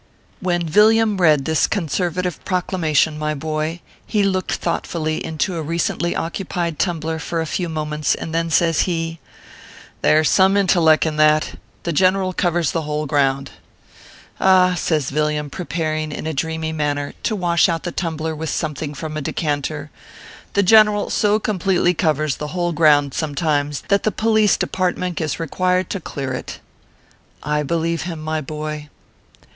] When Villiam read this conservative proclamation, my boy, he looked thoughtfully into a recently occu pied tumbler for a few moments, and then says he :" There s some intelleck in that. The general covers the whole ground. Ah !" says Villiam, pre paring, in a dreamy manner, to wash out the tumbler with something from a decanter, " the general so 326 . ORPHEUS C. KERB PAPERS. completely covers the whole ground sometimes, that the police departmink is required to clear it." I believe him., my boy.